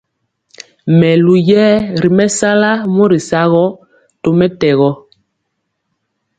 Melu yɛɛ ri mɛsala mɔri sagɔ tɔmɛtɛgɔ.